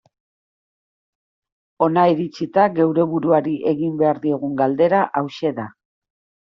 Hona iritsita, geure buruari egin behar diogun galdera hauxe da.